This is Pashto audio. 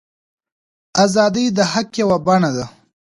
ازادي د حق یوه بڼه ده.